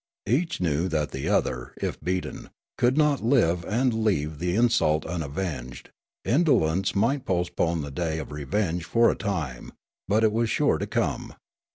Each knew that the other, if beaten, could not live and leave the insult unavenged ; indolence might postpone the day of revenge for a time, but it was sure to come.